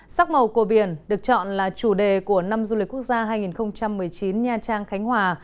sắc màu của biển được chọn là chủ đề của năm du lịch quốc gia hai nghìn một mươi chín nha trang khánh hòa